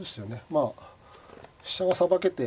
まあ飛車がさばけて。